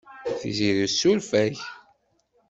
Tiziri tessuref-ak.